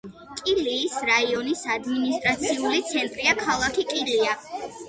კილიის რაიონის ადმინისტრაციული ცენტრია ქალაქი კილია.